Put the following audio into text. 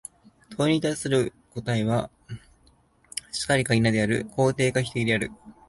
問に対する答は、「然り」か「否」である、肯定か否定である。